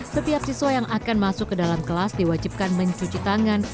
setiap siswa yang akan masuk ke dalam kelas diwajibkan mencuci tangan